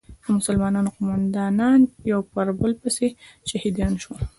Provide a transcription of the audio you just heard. د مسلمانانو قومندانان یو په بل پسې شهیدان شول.